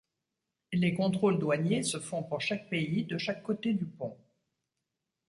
Les contrôles douaniers se font pour chaque pays de chaque côté du pont.